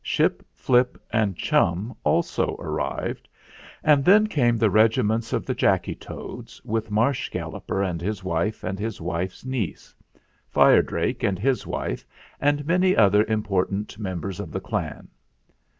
Ship, Flip, and Chum also arrived; and then came the regiments of the Jacky Toads, with Marsh Galloper and his wife and his wife's niece; Fire Drake and his wife; and many other im portant members of the clan.